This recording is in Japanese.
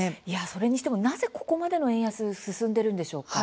それにしてもなぜ、ここまでの円安、進んでいるんでしょうか？